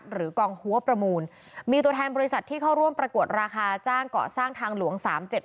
กองหัวประมูลมีตัวแทนบริษัทที่เข้าร่วมประกวดราคาจ้างเกาะสร้างทางหลวง๓๗